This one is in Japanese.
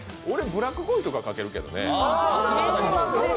俺、ブラックコーヒーとかかけるけどね。